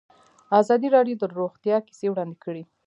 ازادي راډیو د روغتیا کیسې وړاندې کړي.